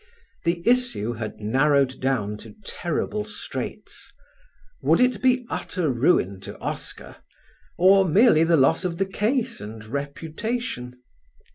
The issue had narrowed down to terrible straits: would it be utter ruin to Oscar or merely loss of the case and reputation?